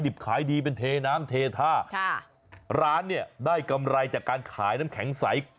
ดิบขายดีเป็นเทน้ำเททาร้านกำไรจากการขายน้ำแข็งใส